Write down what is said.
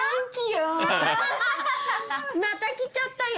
また来ちゃったよ。